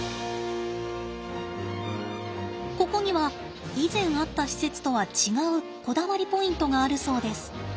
ここには以前あった施設とは違うこだわりポイントがあるそうです。